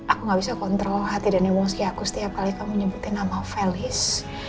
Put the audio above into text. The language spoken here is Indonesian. aku gak bisa kontrol hati dan emosi aku setiap kali kamu nyebutin nama felis